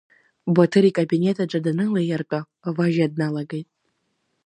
Баҭыр икабинет аҿы данылаиртәа, Важьа дналагеит.